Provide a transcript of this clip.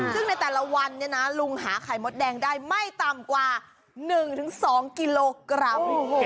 ซึ่งในแต่ละวันลุงหาไข่มดแดงได้ไม่ต่ำกว่าหนึ่งถึงสองกิโลกรัม